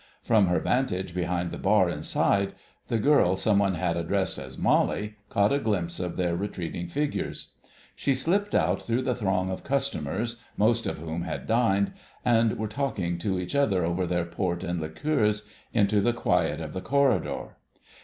From her vantage behind the bar inside, the girl some one had addressed as "Molly" caught a glimpse of their retreating figures. She slipped out through the throng of customers, most of whom had dined, and were talking to each other over their port and liqueurs, into the quiet of the corridor.